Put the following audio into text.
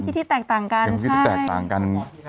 มีความพิธีแตกต่างกัน